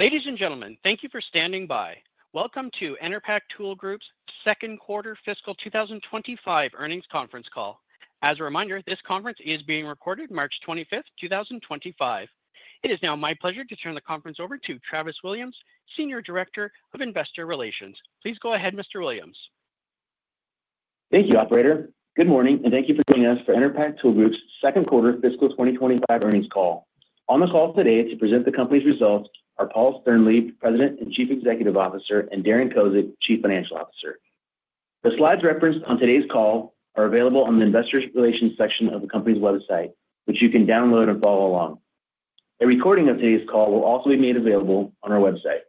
Ladies and gentlemen, thank you for standing by. Welcome to Enerpac Tool Group's Second Quarter Fiscal 2025 Earnings Conference call. As a reminder, this conference is being recorded March 25, 2025. It is now my pleasure to turn the conference over to Travis Williams, Senior Director of Investor Relations. Please go ahead, Mr. Williams. Thank you, Operator. Good morning, and thank you for joining us for Enerpac Tool Group's Second Quarter Fiscal 2025 Earnings Call. On the call today to present the company's results are Paul Sternlieb, President and Chief Executive Officer, and Darren Kozik, Chief Financial Officer. The slides referenced on today's call are available on the Investor Relations section of the company's website, which you can download and follow along. A recording of today's call will also be made available on our website.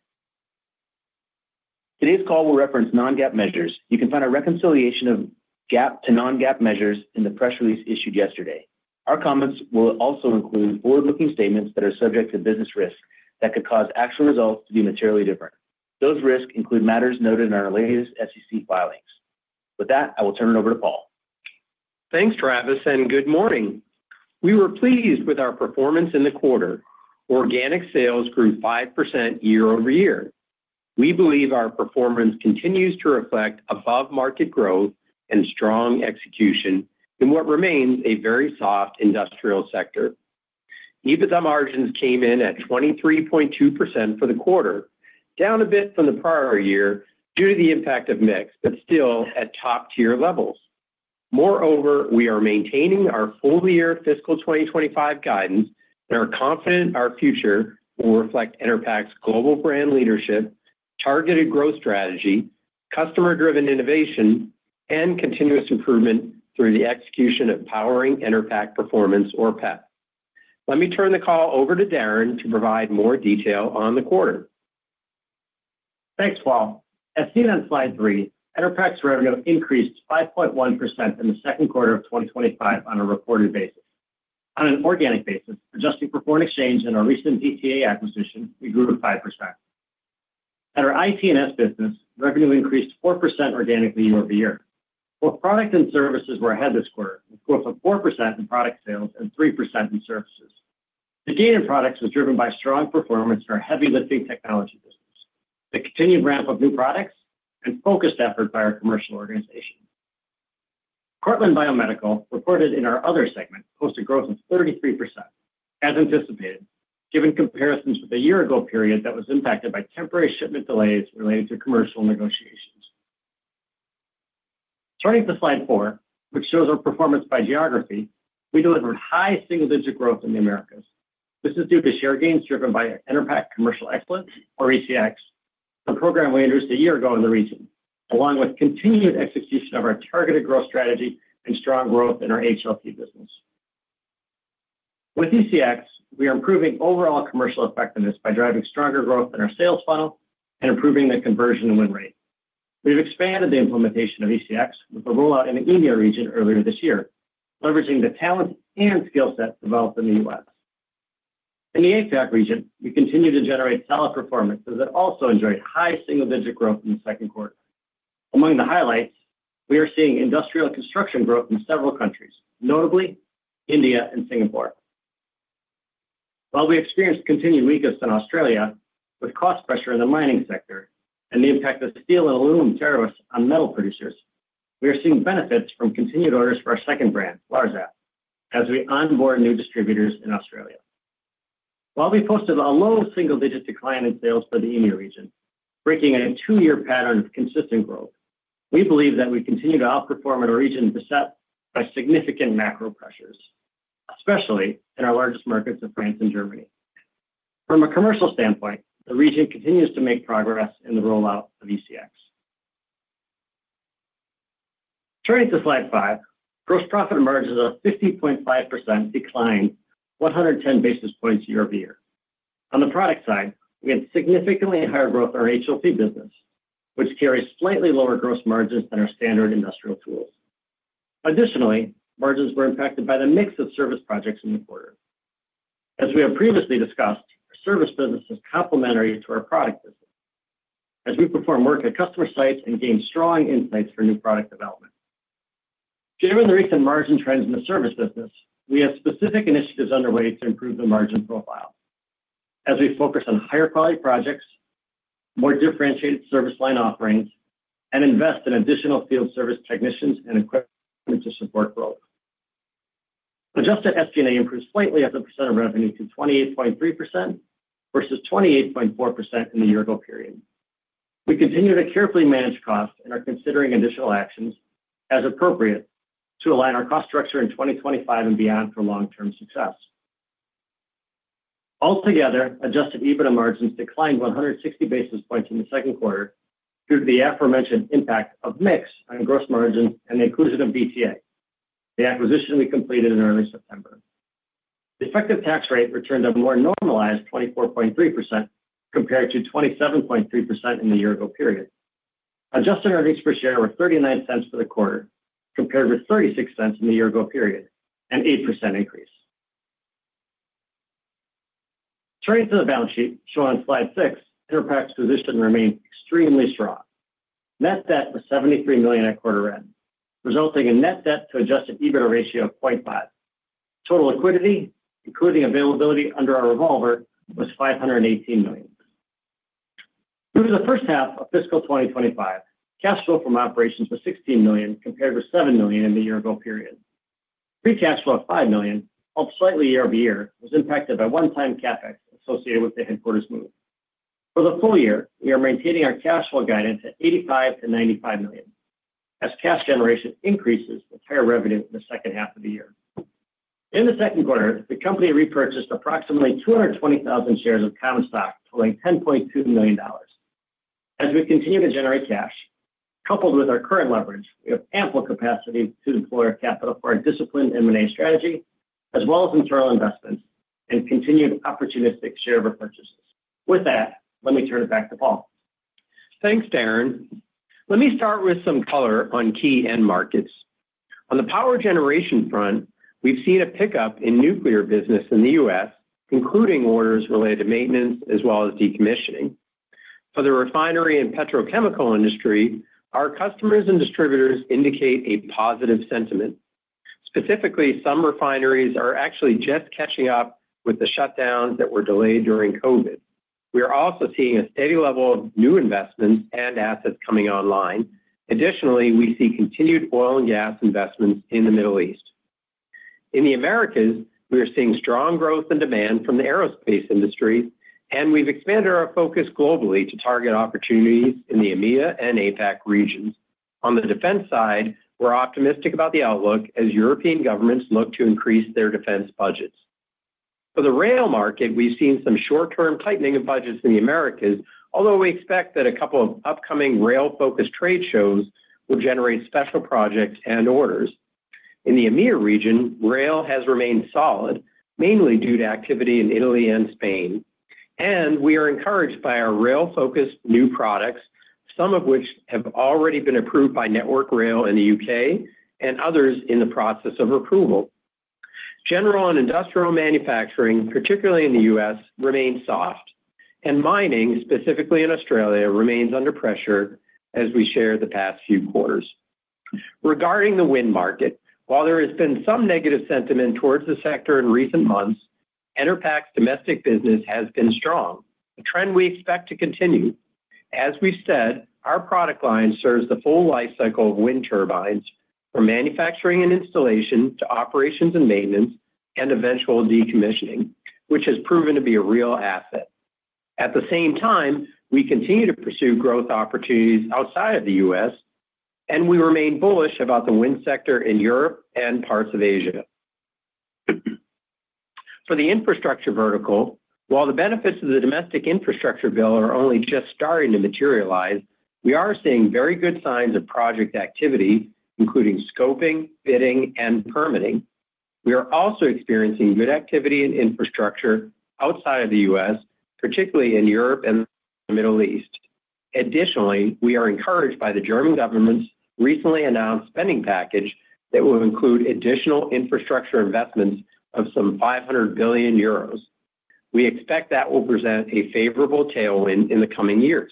Today's call will reference non-GAAP measures. You can find a reconciliation of GAAP to non-GAAP measures in the press release issued yesterday. Our comments will also include forward-looking statements that are subject to business risks that could cause actual results to be materially different. Those risks include matters noted in our latest SEC filings. With that, I will turn it over to Paul. Thanks, Travis, and good morning. We were pleased with our performance in the quarter. Organic sales grew 5% year-over-year. We believe our performance continues to reflect above-market growth and strong execution in what remains a very soft industrial sector. EBITDA margins came in at 23.2% for the quarter, down a bit from the prior year due to the impact of mix, but still at top-tier levels. Moreover, we are maintaining our full-year fiscal 2025 guidance and are confident our future will reflect Enerpac's global brand leadership, targeted growth strategy, customer-driven innovation, and continuous improvement through the execution of Powering Enerpac Performance, or PEP. Let me turn the call over to Darren to provide more detail on the quarter. Thanks, Paul. As seen on slide three, Enerpac's revenue increased 5.1% in the second quarter of 2025 on a reported basis. On an organic basis, adjusting for foreign exchange and our recent DTA acquisition, we grew 5%. At our IT&S business, revenue increased 4% organically year-over-year. Both product and services were ahead this quarter, with growth of 4% in product sales and 3% in services. The gain in products was driven by strong performance in our heavy lifting technology business, the continued ramp of new products, and focused effort by our commercial organization. Cortland Biomedical reported in our other segment posted growth of 33%, as anticipated, given comparisons with a year-ago period that was impacted by temporary shipment delays related to commercial negotiations. Turning to slide four, which shows our performance by geography, we delivered high single-digit growth in the Americas. This is due to share gains driven by Enerpac Commercial Excellence, or ECX, a program we introduced a year ago in the region, along with continued execution of our targeted growth strategy and strong growth in our HLT business. With ECX, we are improving overall commercial effectiveness by driving stronger growth in our sales funnel and improving the conversion win rate. We've expanded the implementation of ECX with a rollout in the India region earlier this year, leveraging the talent and skill set developed in the U.S. In the APAC region, we continue to generate solid performance as it also enjoyed high single-digit growth in the second quarter. Among the highlights, we are seeing industrial construction growth in several countries, notably India and Singapore. While we experienced continued weakness in Australia with cost pressure in the mining sector and the impact of steel and aluminum tariffs on metal producers, we are seeing benefits from continued orders for our second brand, Larzep, as we onboard new distributors in Australia. While we posted a low single-digit decline in sales for the India region, breaking a two-year pattern of consistent growth, we believe that we continue to outperform in a region beset by significant macro pressures, especially in our largest markets of France and Germany. From a commercial standpoint, the region continues to make progress in the rollout of ECX. Turning to slide five, gross profit emerged as a 50.5% decline, 110 basis points year-over-year. On the product side, we had significantly higher growth in our HLT business, which carries slightly lower gross margins than our standard industrial tools. Additionally, margins were impacted by the mix of service projects in the quarter. As we have previously discussed, our service business is complementary to our product business, as we perform work at customer sites and gain strong insights for new product development. Given the recent margin trends in the service business, we have specific initiatives underway to improve the margin profile, as we focus on higher quality projects, more differentiated service line offerings, and invest in additional field service technicians and equipment to support growth. Adjusted SG&A improved slightly as the percent of revenue to 28.3% versus 28.4% in the year-ago period. We continue to carefully manage costs and are considering additional actions as appropriate to align our cost structure in 2025 and beyond for long-term success. Altogether, adjusted EBITDA margins declined 160 basis points in the second quarter due to the aforementioned impact of mix on gross margins and the inclusion of DTA, the acquisition we completed in early September. The effective tax rate returned a more normalized 24.3% compared to 27.3% in the year-ago period. Adjusted earnings per share were $0.39 for the quarter, compared with $0.36 in the year-ago period, an 8% increase. Turning to the balance sheet shown on slide six, Enerpac's position remained extremely strong. Net debt was $73 million at quarter end, resulting in net debt to adjusted EBITDA ratio of 0.5. Total liquidity, including availability under our revolver, was $518 million. Through the first half of fiscal 2025, cash flow from operations was $16 million, compared with $7 million in the year-ago period. Pre-cash flow of $5 million, up slightly year-over-year, was impacted by one-time CapEx associated with the headquarters move. For the full year, we are maintaining our cash flow guidance at $85 million to $95 million, as cash generation increases with higher revenue in the second half of the year. In the second quarter, the company repurchased approximately 220,000 shares of common stock, totaling $10.2 million. As we continue to generate cash, coupled with our current leverage, we have ample capacity to deploy our capital for our disciplined M&A strategy, as well as internal investments and continued opportunistic share repurchases. With that, let me turn it back to Paul. Thanks, Darren. Let me start with some color on key end markets. On the power generation front, we've seen a pickup in nuclear business in the U.S., including orders related to maintenance as well as decommissioning. For the refinery and petrochemical industry, our customers and distributors indicate a positive sentiment. Specifically, some refineries are actually just catching up with the shutdowns that were delayed during COVID. We are also seeing a steady level of new investments and assets coming online. Additionally, we see continued oil and gas investments in the Middle East. In the Americas, we are seeing strong growth and demand from the aerospace industry, and we've expanded our focus globally to target opportunities in the EMEA and APAC regions. On the defense side, we're optimistic about the outlook as European governments look to increase their defense budgets. For the rail market, we've seen some short-term tightening of budgets in the Americas, although we expect that a couple of upcoming rail-focused trade shows will generate special projects and orders. In the EMEA region, rail has remained solid, mainly due to activity in Italy and Spain, and we are encouraged by our rail-focused new products, some of which have already been approved by Network Rail in the U.K. and others in the process of approval. General and industrial manufacturing, particularly in the U.S., remains soft, and mining, specifically in Australia, remains under pressure as we shared the past few quarters. Regarding the wind market, while there has been some negative sentiment towards the sector in recent months, Enerpac's domestic business has been strong, a trend we expect to continue. As we've said, our product line serves the full lifecycle of wind turbines, from manufacturing and installation to operations and maintenance and eventual decommissioning, which has proven to be a real asset. At the same time, we continue to pursue growth opportunities outside of the U.S., and we remain bullish about the wind sector in Europe and parts of Asia. For the infrastructure vertical, while the benefits of the domestic infrastructure bill are only just starting to materialize, we are seeing very good signs of project activity, including scoping, bidding, and permitting. We are also experiencing good activity in infrastructure outside of the U.S., particularly in Europe and the Middle East. Additionally, we are encouraged by the German government's recently announced spending package that will include additional infrastructure investments of some 500 billion euros. We expect that will present a favorable tailwind in the coming years.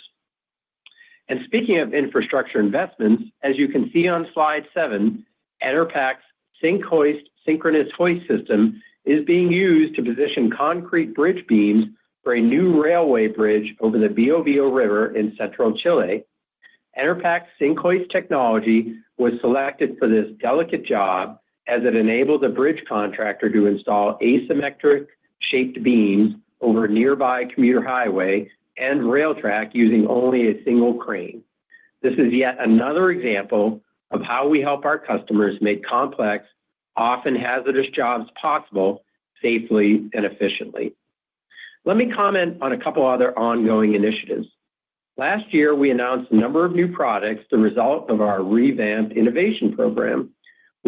Speaking of infrastructure investments, as you can see on slide seven, Enerpac's SyncHoist synchronous hoist system is being used to position concrete bridge beams for a new railway bridge over the Bovio River in central Chile. Enerpac SyncHoist technology was selected for this delicate job as it enabled the bridge contractor to install asymmetric-shaped beams over a nearby commuter highway and rail track using only a single crane. This is yet another example of how we help our customers make complex, often hazardous jobs possible safely and efficiently. Let me comment on a couple of other ongoing initiatives. Last year, we announced a number of new products as a result of our revamped innovation program.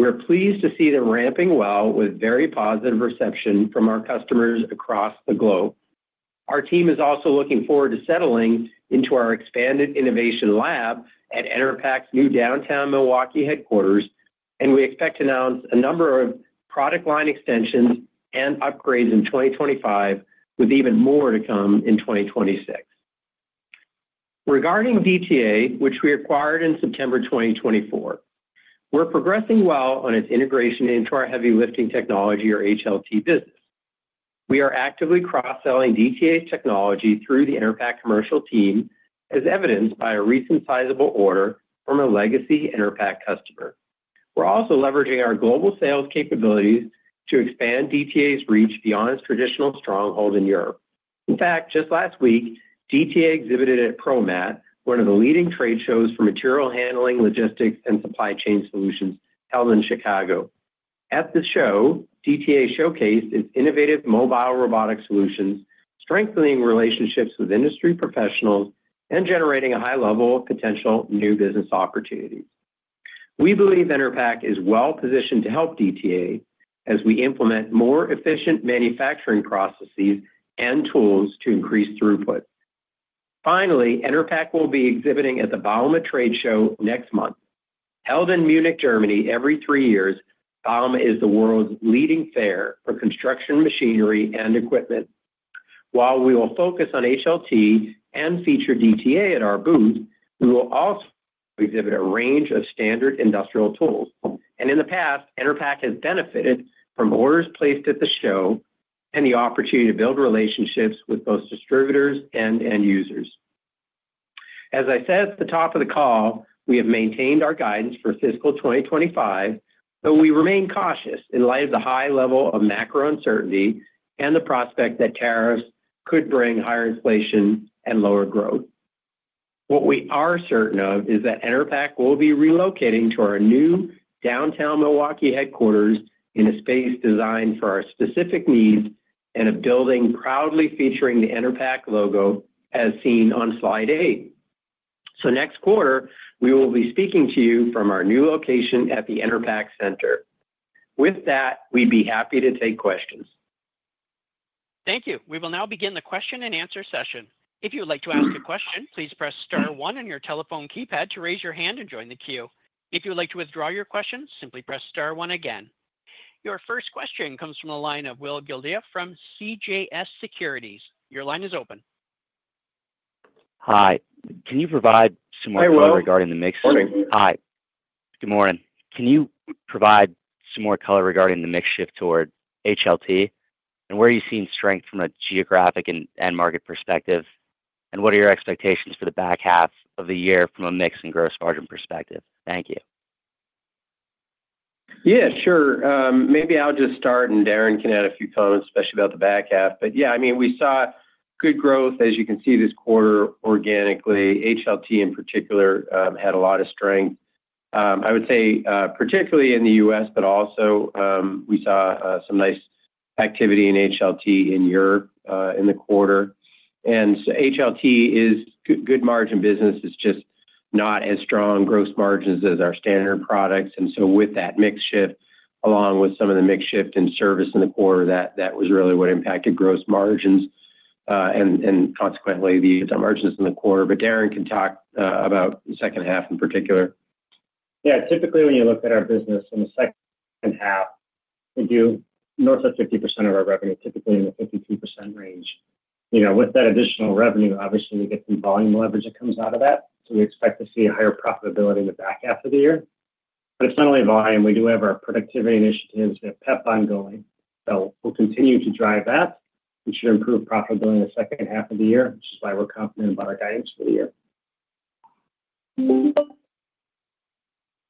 We are pleased to see them ramping well, with very positive reception from our customers across the globe. Our team is also looking forward to settling into our expanded innovation lab at Enerpac's new downtown Milwaukee headquarters, and we expect to announce a number of product line extensions and upgrades in 2025, with even more to come in 2026. Regarding DTA, which we acquired in September 2024, we're progressing well on its integration into our heavy lifting technology, or HLT, business. We are actively cross-selling DTA technology through the Enerpac commercial team, as evidenced by a recent sizable order from a legacy Enerpac customer. We're also leveraging our global sales capabilities to expand DTA's reach beyond its traditional stronghold in Europe. In fact, just last week, DTA exhibited at Promat, one of the leading trade shows for material handling, logistics, and supply chain solutions held in Chicago. At the show, DTA showcased its innovative mobile robotic solutions, strengthening relationships with industry professionals and generating a high level of potential new business opportunities. We believe Enerpac is well positioned to help DTA as we implement more efficient manufacturing processes and tools to increase throughput. Finally, Enerpac will be exhibiting at the Bauma Trade Show next month. Held in Munich, Germany, every three years, Bauma is the world's leading fair for construction machinery and equipment. We will focus on HLT and feature DTA at our booth, and we will also exhibit a range of standard industrial tools. In the past, Enerpac has benefited from orders placed at the show and the opportunity to build relationships with both distributors and end users. As I said at the top of the call, we have maintained our guidance for fiscal 2025, though we remain cautious in light of the high level of macro uncertainty and the prospect that tariffs could bring higher inflation and lower growth. What we are certain of is that Enerpac will be relocating to our new downtown Milwaukee headquarters in a space designed for our specific needs and a building proudly featuring the Enerpac logo, as seen on slide eight. Next quarter, we will be speaking to you from our new location at the Enerpac Center. With that, we'd be happy to take questions. Thank you. We will now begin the question and answer session. If you'd like to ask a question, please press star one on your telephone keypad to raise your hand and join the queue. If you'd like to withdraw your question, simply press star one again. Your first question comes from the line of Will Gildea from CJS Securities. Your line is open. Hi. Can you provide some more color regarding the mix? Hi, Will. Hi. Good morning. Can you provide some more color regarding the mix shift toward HLT? Where are you seeing strength from a geographic and market perspective? What are your expectations for the back half of the year from a mix and gross margin perspective? Thank you. Yeah, sure. Maybe I'll just start, and Darren can add a few comments, especially about the back half. Yeah, I mean, we saw good growth, as you can see this quarter, organically. HLT, in particular, had a lot of strength. I would say, particularly in the U.S., but also we saw some nice activity in HLT in Europe in the quarter. HLT is good margin business. It's just not as strong gross margins as our standard products. With that mix shift, along with some of the mix shift in service in the quarter, that was really what impacted gross margins and consequently the margins in the quarter. Darren can talk about the second half in particular. Yeah. Typically, when you look at our business in the second half, we do north of 50% of our revenue, typically in the 52% range. With that additional revenue, obviously, we get some volume leverage that comes out of that. We expect to see a higher profitability in the back half of the year. It is not only volume. We do have our productivity initiatives. We have PEP ongoing. We will continue to drive that. We should improve profitability in the second half of the year, which is why we are confident about our guidance for the year.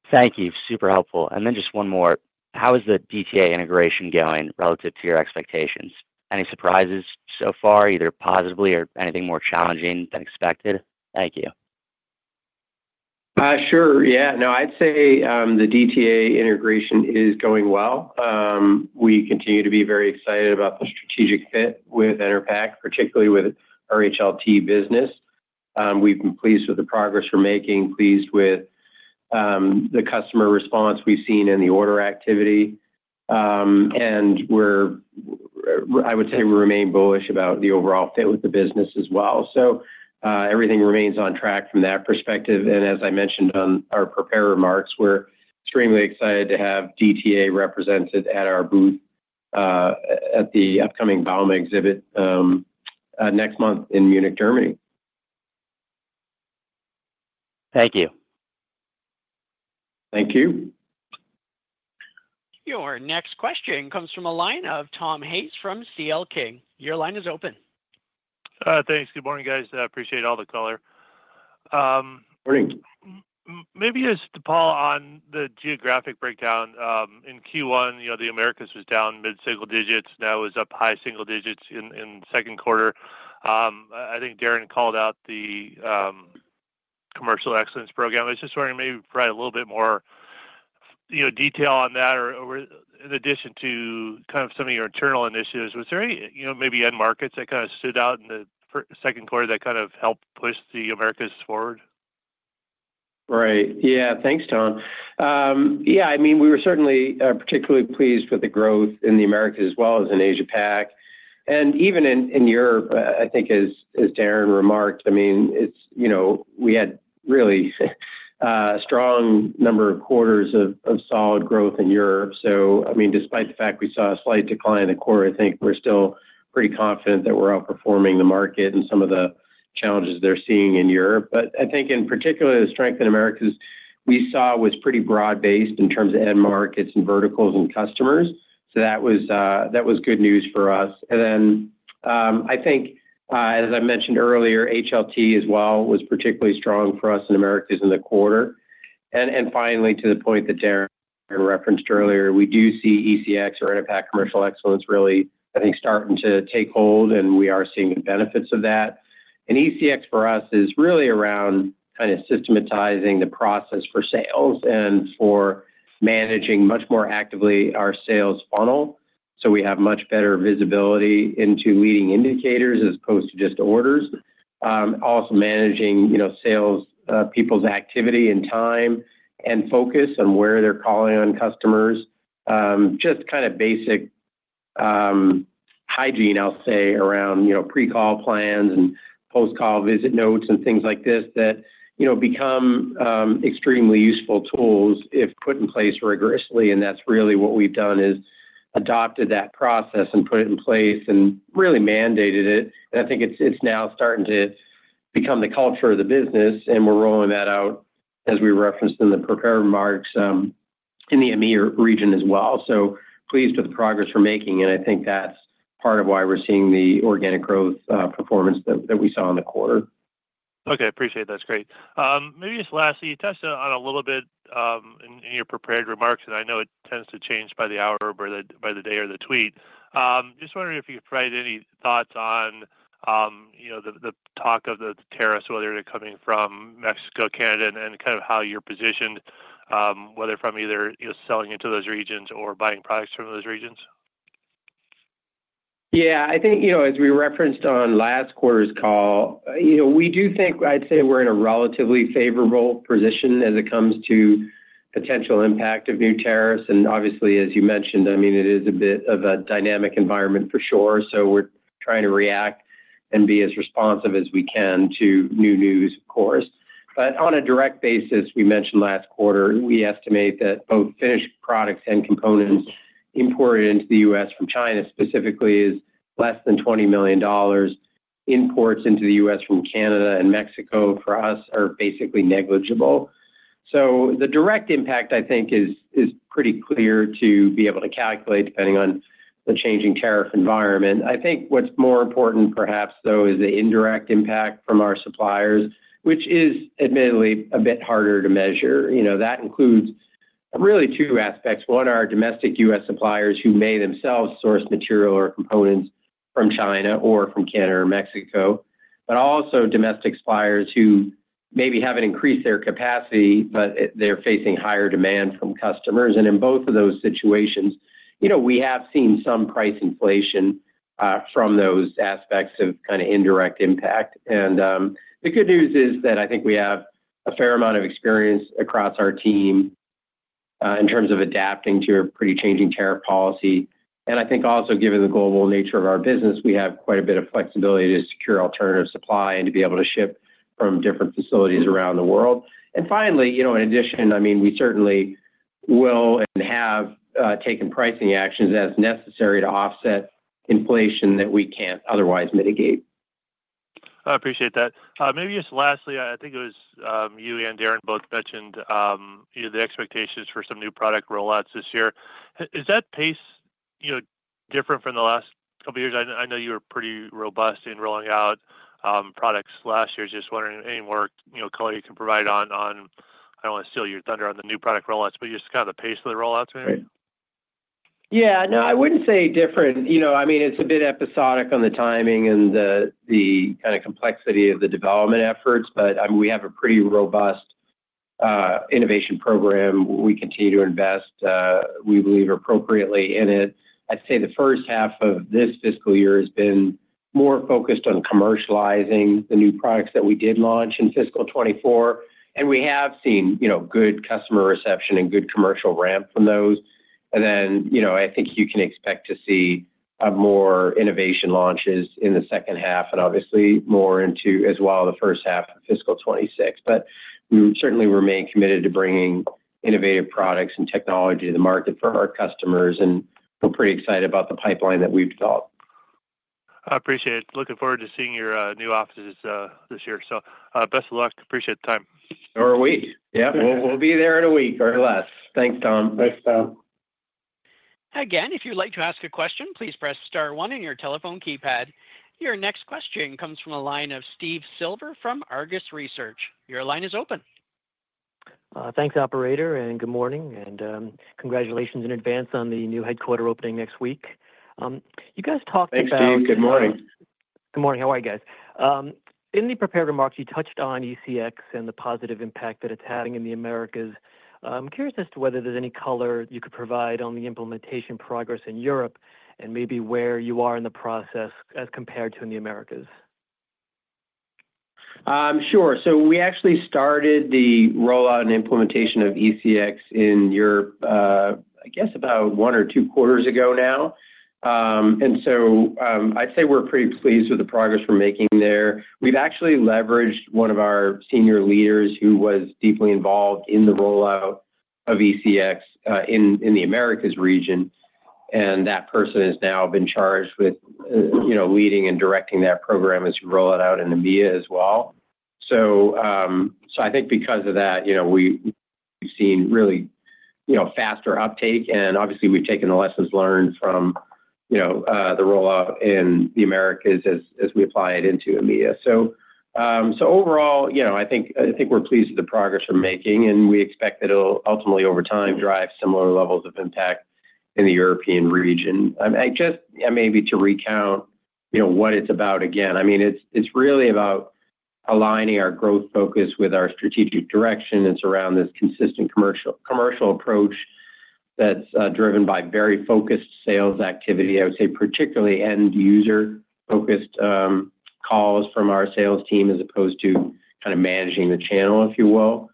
Thank you. Super helpful. Just one more. How is the DTA integration going relative to your expectations? Any surprises so far, either positively or anything more challenging than expected? Thank you. Sure. Yeah. No, I'd say the DTA integration is going well. We continue to be very excited about the strategic fit with Enerpac, particularly with our HLT business. We've been pleased with the progress we're making, pleased with the customer response we've seen in the order activity. I would say we remain bullish about the overall fit with the business as well. Everything remains on track from that perspective. As I mentioned on our prepared remarks, we're extremely excited to have DTA represented at our booth at the upcoming Bauma exhibit next month in Munich, Germany. Thank you. Thank you. Your next question comes from a line of Tom Hayes from CL King. Your line is open. Thanks. Good morning, guys. Appreciate all the color. Morning. Maybe just to Paul on the geographic breakdown. In Q1, the Americas was down mid-single digits. Now it was up high single digits in the second quarter. I think Darren called out the commercial excellence program. I was just wondering, maybe provide a little bit more detail on that, or in addition to kind of some of your internal initiatives. Was there any maybe end markets that kind of stood out in the second quarter that kind of helped push the Americas forward? Right. Yeah. Thanks, Tom. Yeah. I mean, we were certainly particularly pleased with the growth in the Americas as well as in Asia-Pac. And even in Europe, I think, as Darren remarked, I mean, we had really a strong number of quarters of solid growth in Europe. So I mean, despite the fact we saw a slight decline in the quarter, I think we're still pretty confident that we're outperforming the market and some of the challenges they're seeing in Europe. I think in particular, the strength in Americas we saw was pretty broad-based in terms of end markets and verticals and customers. That was good news for us. I think, as I mentioned earlier, HLT as well was particularly strong for us in Americas in the quarter. Finally, to the point that Darren referenced earlier, we do see ECX or Enerpac Commercial Excellence really, I think, starting to take hold, and we are seeing the benefits of that. ECX for us is really around kind of systematizing the process for sales and for managing much more actively our sales funnel. We have much better visibility into leading indicators as opposed to just orders. Also managing salespeople's activity and time and focus on where they're calling on customers. Just kind of basic hygiene, I'll say, around pre-call plans and post-call visit notes and things like this that become extremely useful tools if put in place rigorously. That's really what we've done is adopted that process and put it in place and really mandated it. I think it's now starting to become the culture of the business, and we're rolling that out, as we referenced in the prepared remarks, in the EMEA region as well. Pleased with the progress we're making, and I think that's part of why we're seeing the organic growth performance that we saw in the quarter. Okay. Appreciate that. That's great. Maybe just lastly, you touched on a little bit in your prepared remarks, and I know it tends to change by the hour or by the day or the tweet. Just wondering if you could provide any thoughts on the talk of the tariffs, whether they're coming from Mexico, Canada, and kind of how you're positioned, whether from either selling into those regions or buying products from those regions. Yeah. I think as we referenced on last quarter's call, we do think, I'd say we're in a relatively favorable position as it comes to potential impact of new tariffs. Obviously, as you mentioned, I mean, it is a bit of a dynamic environment for sure. We are trying to react and be as responsive as we can to new news, of course. On a direct basis, we mentioned last quarter, we estimate that both finished products and components imported into the U.S. from China specifically is less than $20 million. Imports into the U.S. from Canada and Mexico for us are basically negligible. The direct impact, I think, is pretty clear to be able to calculate depending on the changing tariff environment. I think what's more important perhaps, though, is the indirect impact from our suppliers, which is admittedly a bit harder to measure. That includes really two aspects. One are domestic U.S. suppliers who may themselves source material or components from China or from Canada or Mexico, but also domestic suppliers who maybe have not increased their capacity, but they are facing higher demand from customers. In both of those situations, we have seen some price inflation from those aspects of kind of indirect impact. The good news is that I think we have a fair amount of experience across our team in terms of adapting to a pretty changing tariff policy. I think also given the global nature of our business, we have quite a bit of flexibility to secure alternative supply and to be able to ship from different facilities around the world. Finally, in addition, I mean, we certainly will and have taken pricing actions as necessary to offset inflation that we cannot otherwise mitigate. I appreciate that. Maybe just lastly, I think it was you and Darren both mentioned the expectations for some new product rollouts this year. Is that pace different from the last couple of years? I know you were pretty robust in rolling out products last year. Just wondering any more color you can provide on, I do not want to steal your thunder on the new product rollouts, but just kind of the pace of the rollouts maybe. Yeah. No, I wouldn't say different. I mean, it's a bit episodic on the timing and the kind of complexity of the development efforts, but we have a pretty robust innovation program. We continue to invest, we believe, appropriately in it. I'd say the first half of this fiscal year has been more focused on commercializing the new products that we did launch in fiscal 2024. We have seen good customer reception and good commercial ramp from those. I think you can expect to see more innovation launches in the second half and obviously more into as well the first half of fiscal 2026. We certainly remain committed to bringing innovative products and technology to the market for our customers. We're pretty excited about the pipeline that we've developed. I appreciate it. Looking forward to seeing your new offices this year. Best of luck. Appreciate the time. Or a week. Yeah. We'll be there in a week or less. Thanks, Tom. Thanks, Tom. Again, if you'd like to ask a question, please press star one on your telephone keypad. Your next question comes from the line of Steve Silver from Argus Research. Your line is open. Thanks, operator. Good morning. Congratulations in advance on the new headquarter opening next week you guys talked about. Thanks, Steve. Good morning. Good morning. How are you guys? In the prepared remarks, you touched on ECX and the positive impact that it's having in the Americas. I'm curious as to whether there's any color you could provide on the implementation progress in Europe and maybe where you are in the process as compared to in the Americas. Sure. We actually started the rollout and implementation of ECX in Europe, I guess, about one or two quarters ago now. I'd say we're pretty pleased with the progress we're making there. We've actually leveraged one of our senior leaders who was deeply involved in the rollout of ECX in the Americas region. That person has now been charged with leading and directing that program as we roll it out in EMEA as well. I think because of that, we've seen really faster uptake. Obviously, we've taken the lessons learned from the rollout in the Americas as we apply it into EMEA. Overall, I think we're pleased with the progress we're making, and we expect that it'll ultimately, over time, drive similar levels of impact in the European region. Just maybe to recount what it's about again, I mean, it's really about aligning our growth focus with our strategic direction. It's around this consistent commercial approach that's driven by very focused sales activity, I would say, particularly end-user-focused calls from our sales team as opposed to kind of managing the channel, if you will.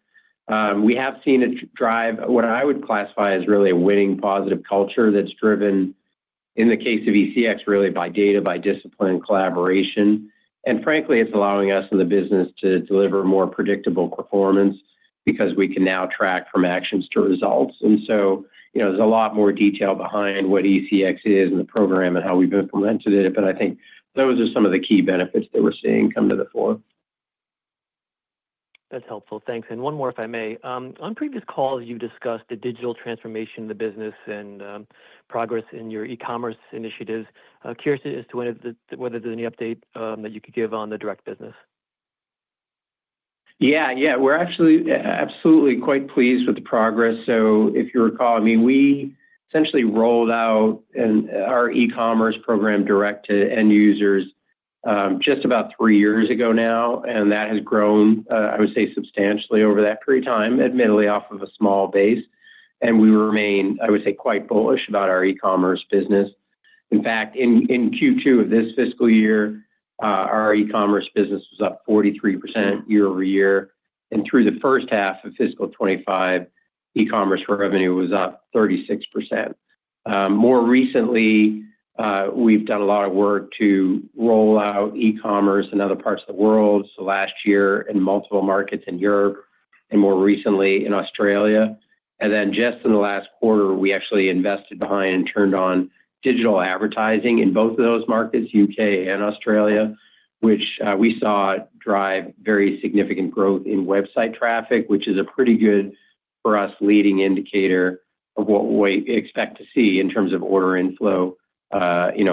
We have seen it drive what I would classify as really a winning positive culture that's driven, in the case of ECX, really by data, by discipline, collaboration. Frankly, it's allowing us in the business to deliver more predictable performance because we can now track from actions to results. There is a lot more detail behind what ECX is and the program and how we've implemented it. I think those are some of the key benefits that we're seeing come to the fore. That's helpful. Thanks. One more, if I may. On previous calls, you discussed the digital transformation of the business and progress in your e-commerce initiatives. Curious as to whether there's any update that you could give on the direct business. Yeah. Yeah. We're actually absolutely quite pleased with the progress. If you recall, I mean, we essentially rolled out our e-commerce program direct to end users just about three years ago now. That has grown, I would say, substantially over that period of time, admittedly off of a small base. We remain, I would say, quite bullish about our e-commerce business. In fact, in Q2 of this fiscal year, our e-commerce business was up 43% year-over-year. Through the first half of fiscal 2025, e-commerce revenue was up 36%. More recently, we've done a lot of work to roll out e-commerce in other parts of the world. Last year in multiple markets in Europe and more recently in Australia. Just in the last quarter, we actually invested behind and turned on digital advertising in both of those markets, U.K. and Australia, which we saw drive very significant growth in website traffic, which is a pretty good for us leading indicator of what we expect to see in terms of order inflow in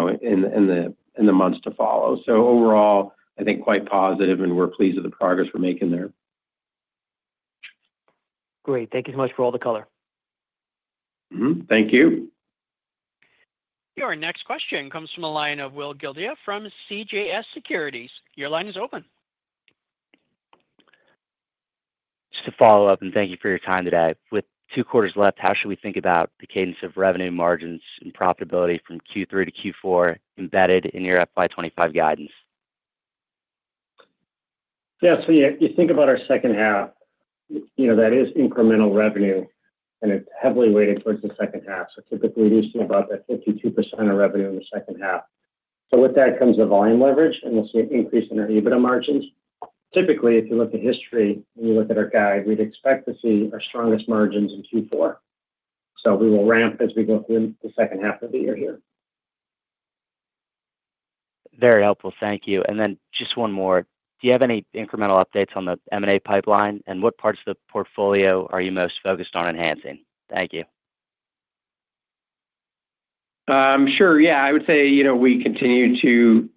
the months to follow. Overall, I think quite positive, and we're pleased with the progress we're making there. Great. Thank you so much for all the color. Thank you. Your next question comes from a line of Will Gildea from CJS Securities. Your line is open. Just to follow up and thank you for your time today. With two quarters left, how should we think about the cadence of revenue, margins, and profitability from Q3 to Q4 embedded in your FY25 guidance? Yeah. So you think about our second half, that is incremental revenue, and it's heavily weighted towards the second half. Typically, we see about 52% of revenue in the second half. With that comes the volume leverage, and we'll see an increase in our EBITDA margins. Typically, if you look at history and you look at our guide, we'd expect to see our strongest margins in Q4. We will ramp as we go through the second half of the year here. Very helpful. Thank you. Do you have any incremental updates on the M&A pipeline, and what parts of the portfolio are you most focused on enhancing? Thank you. Sure. Yeah. I would say we continue to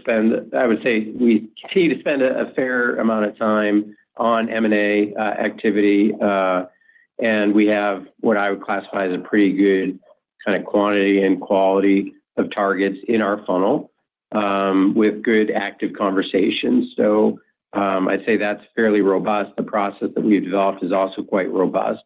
spend, I would say we continue to spend a fair amount of time on M&A activity. We have what I would classify as a pretty good kind of quantity and quality of targets in our funnel with good active conversations. I would say that is fairly robust. The process that we have developed is also quite robust.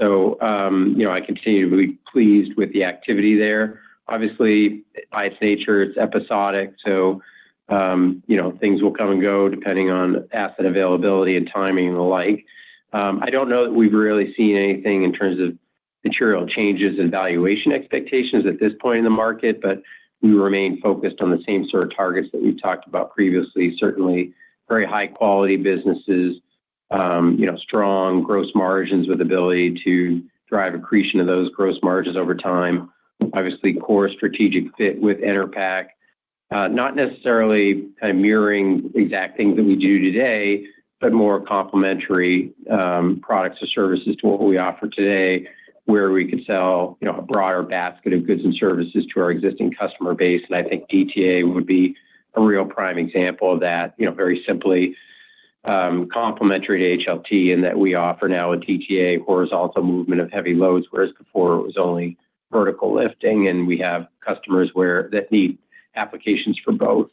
I continue to be pleased with the activity there. Obviously, by its nature, it is episodic. Things will come and go depending on asset availability and timing and the like. I do not know that we have really seen anything in terms of material changes in valuation expectations at this point in the market, but we remain focused on the same sort of targets that we have talked about previously. Certainly, very high-quality businesses, strong gross margins with ability to drive accretion of those gross margins over time. Obviously, core strategic fit with Enerpac. Not necessarily kind of mirroring exact things that we do today, but more complementary products or services to what we offer today, where we could sell a broader basket of goods and services to our existing customer base. I think DTA would be a real prime example of that, very simply complementary to HLT in that we offer now a DTA horizontal movement of heavy loads, whereas before it was only vertical lifting, and we have customers that need applications for both.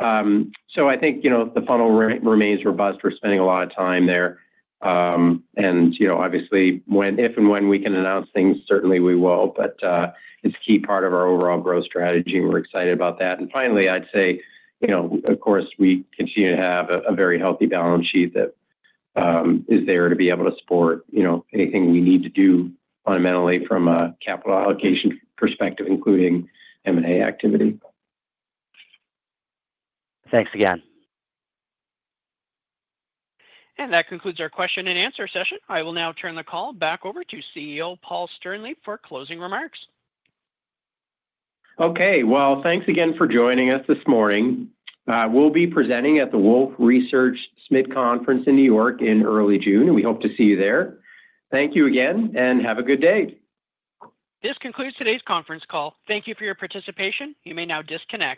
I think the funnel remains robust. We're spending a lot of time there. Obviously, if and when we can announce things, certainly we will. It is a key part of our overall growth strategy, and we're excited about that. Finally, I'd say, of course, we continue to have a very healthy balance sheet that is there to be able to support anything we need to do fundamentally from a capital allocation perspective, including M&A activity. Thanks again. That concludes our question and answer session. I will now turn the call back over to CEO Paul Sternlieb for closing remarks. Okay. Thanks again for joining us this morning. We'll be presenting at the Wolf Research SMIT conference in New York in early June, and we hope to see you there. Thank you again, and have a good day. This concludes today's conference call. Thank you for your participation. You may now disconnect.